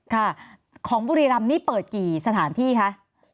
ค่ะของบุรีรำนี่เปิดกี่สถานที่คะ